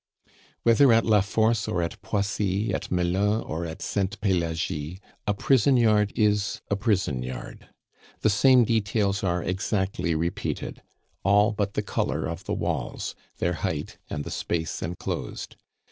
Whether at La Force or at Poissy, at Melun or at Sainte Pelagie, a prison yard is a prison yard. The same details are exactly repeated, all but the color of the walls, their height, and the space enclosed.